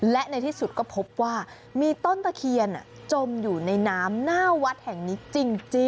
และในที่สุดก็พบว่ามีต้นตะเคียนจมอยู่ในน้ำหน้าวัดแห่งนี้จริง